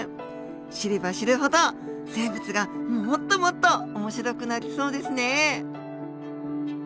知れば知るほど生物がもっともっと面白くなりそうですねえ。